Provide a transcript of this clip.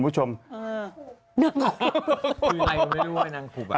มังคู